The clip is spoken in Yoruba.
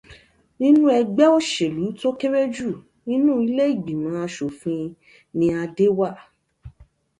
Nínú ẹgbẹ́ òṣèlú tó kéré jù nínú ilé ìgbìmọ̀ aṣòfin ni Adé wà